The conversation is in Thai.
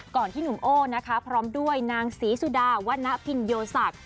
ก่อนที่หนุ่มโอ้พร้อมด้วยนางศรีสุดาวันนะพินโยสัก